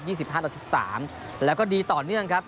สิบห้าต่อสิบสามแล้วก็ดีต่อเนื่องครับ